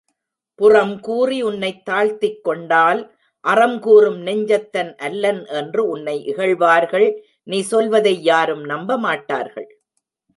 புறம்கூறி உன்னைத் தாழ்த்திக்கொண்டால் அறம் கூறும் நெஞ்சத்தன் அல்லன் என்று உன்னை இகழ்வார்கள் நீ சொல்வதை யாரும் நம்பமாட்டார்கள்.